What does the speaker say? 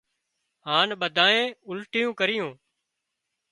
هانَ ٻڌانئي اُلٽيون ڪريون